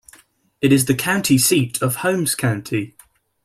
It is the county seat of Holmes County.